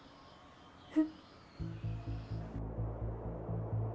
dan warga warga yang sudah ditinggalkan karena covid sembilan belas